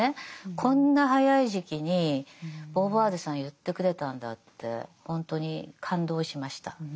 こんな早い時期にボーヴォワールさんは言ってくれたんだってほんとに感動しました。